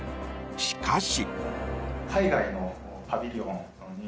しかし。